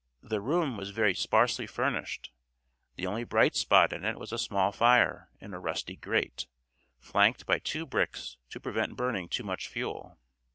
The room was very sparsely furnished; the only bright spot in it was a small fire in a rusty grate, flanked by two bricks to prevent burning too much fuel.